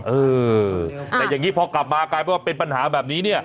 เออแต่อย่างนี้พอกลับมากลายเป็นว่าเป็นปัญหาแบบนี้เนี่ย